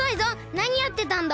何やってたんだ？